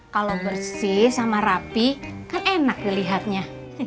kalau bersih sama rapi kan enak dilihatnya